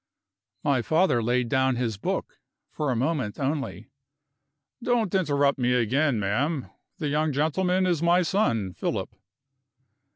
My father laid down his book, for a moment only: "Don't interrupt me again, ma'am. The young gentleman is my son Philip."